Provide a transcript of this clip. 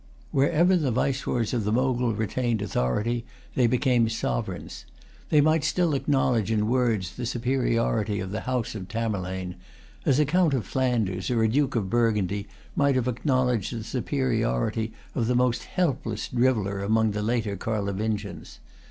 Wherever the viceroys of the Mogul retained authority they became sovereigns. They might still acknowledge in words the superiority of the house of Tamerlane; as a Count of Flanders or a Duke of Burgundy might have acknowledged the superiority of the most helpless driveller among the later Carlovingians.